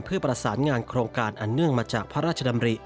เพื่อประสานงานโครงการอันเนื่องมาจากพระราชดำริ